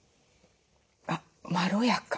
あっまろやか。